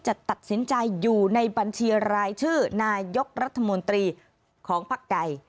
จะตัดสินใจอยู่ในบัญชีรายชื่อนายกรัฐมนตรีของพักใด